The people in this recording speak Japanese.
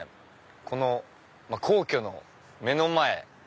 この皇居の目の前。